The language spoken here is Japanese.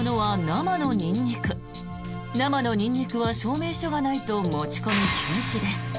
生のニンニクは証明書がないと持ち込み禁止です。